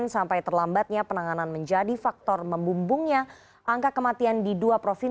selamat sore pak adip